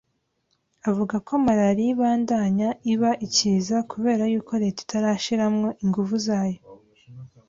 Avuga ko malaria ibandanya iba ikiza kubera y'uko leta itarashiramwo inguvu zayo